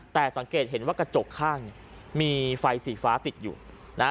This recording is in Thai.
แต่สังเกตเห็นว่ากระจกข้างเนี่ยมีไฟสีฟ้าติดอยู่นะฮะ